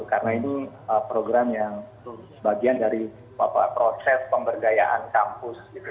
karena ini program yang sebagian dari proses pemberdayaan kampus gitu